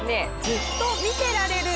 ずっと見てられる！